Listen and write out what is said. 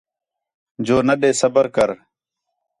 جو نہ ݙے صبر کر